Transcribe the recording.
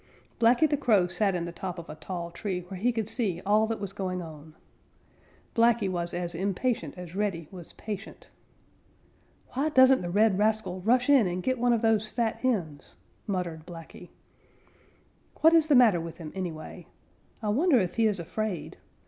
Blacky the Crow sat in the top of a tall tree where he could see all that was going on. Blacky was as impatient as Reddy was patient. "Why doesn't the red rascal rush in and get one of those fat hens?" muttered Blacky. "What is the matter with him, anyway? I wonder if he is afraid.